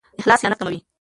اخلاص خیانت کموي.